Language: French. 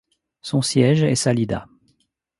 Son siège est Salida.